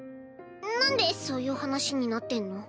なんでそういう話になってんの？